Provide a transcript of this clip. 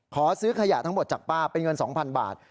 ขอซื้อขยะทั้งหมดจากป้าเป็นเงิน๒๐๐บาท